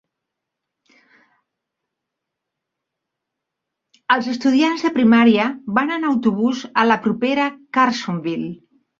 Els estudiants de primària van en autobús a la propera Carsonville.